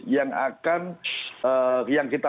yang akan yang kita